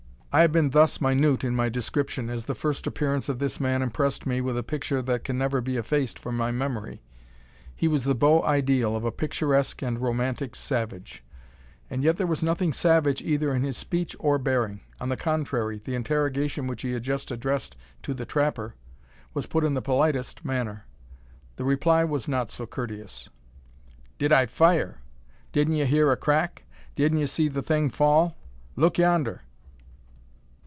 I have been thus minute in my description, as the first appearance of this man impressed me with a picture that can never be effaced from my memory. He was the beau ideal of a picturesque and romantic savage; and yet there was nothing savage either in his speech or bearing. On the contrary, the interrogation which he had just addressed to the trapper was put in the politest manner. The reply was not so courteous. "Did I fire! Didn't ye hear a crack? Didn't ye see the thing fall? Look yonder!"